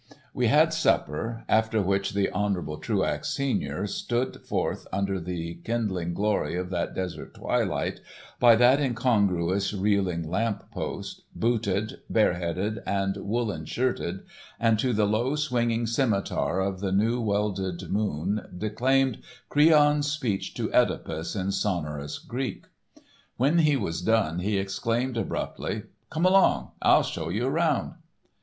We had supper, after which the Hon. Truax, Sr. stood forth under the kindling glory of that desert twilight by that incongruous, reeling lamp post, booted, bare headed and woolen shirted, and to the low swinging scimitar of the new welded moon declaimed Creon's speech to Oedipus in sonorous Greek. When he was done he exclaimed, abruptly: "Come along, I'll show you 'round."